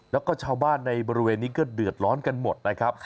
แล้วก็ชาวบ้านในบริเวณนี้ก็เดือดร้อนกันหมดนะครับ